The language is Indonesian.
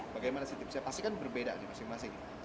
bagaimana sih tipsnya pasti kan berbeda masing masing